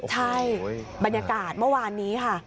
ใช่บรรยากาศเมื่อวานนี้ค่ะ